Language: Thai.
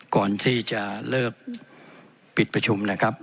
ก่อนที่จะเลิกปิดประชุมนะครับ